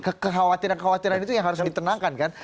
kekhawatiran kekhawatiran itu yang harus ditenangkan kan